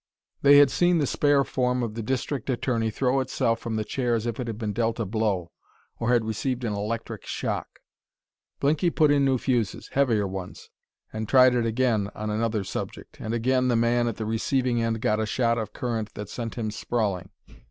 They had seen the spare form of the district attorney throw itself from the chair as if it had been dealt a blow or had received an electric shock. Blinky put in new fuses heavier ones and tried it again on another subject. And again the man at the receiving end got a shot of current that sent him sprawling.